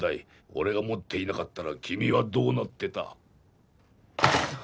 俺が持っていなかったら君はどうなってた？